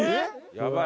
やばい。